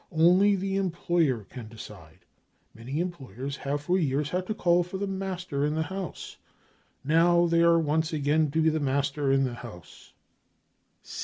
Only the employer can decide. Many employers have for years had to call for the master in the house.' Now they are once again to be the e master in the house.